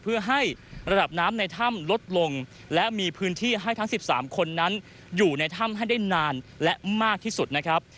เพื่อให้ระดับน้ำในถ้ำลดลงและมีพื้นที่ให้ทั้ง๑๓คนนั้นอยู่ในถ้ำให้ได้นานและมากที่สุดนะครับ